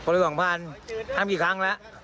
รับมากี่คน